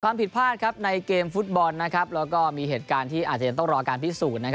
ความผิดพลาดในเกมฟุตบอลแล้วก็มีเหตุการณ์ที่อาจจะยังต้องรอการพิสูจน์